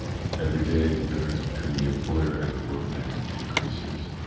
Every day the difference between the employer and the workman increases."